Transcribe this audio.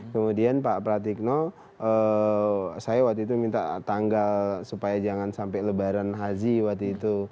kemudian pak pratikno saya waktu itu minta tanggal supaya jangan sampai lebaran haji waktu itu